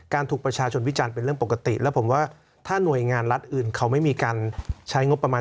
ถูกประชาชนวิจารณ์เป็นเรื่องปกติแล้วผมว่าถ้าหน่วยงานรัฐอื่นเขาไม่มีการใช้งบประมาณ